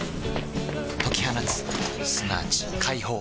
解き放つすなわち解放